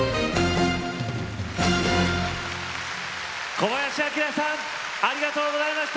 小林旭さんありがとうございました！